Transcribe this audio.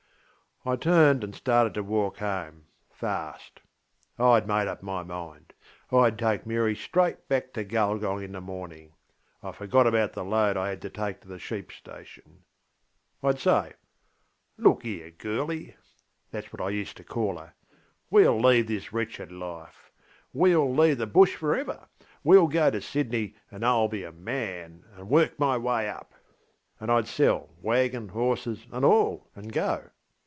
I turned and started to walk home, fast. IŌĆÖd made up my mind. IŌĆÖd take Mary straight back to Gulgong in the morningŌĆö I forgot about the load I had to take to the sheep station. IŌĆÖd say, ŌĆśLook here, GirlieŌĆÖ (thatŌĆÖs what I used to call her), ŌĆśweŌĆÖll leave this wretched life; weŌĆÖll leave the Bush for ever! WeŌĆÖll go to Sydney, and IŌĆÖll be a man! and work my way up. ŌĆÖ And IŌĆÖd sell waggon, horses, and all, and go.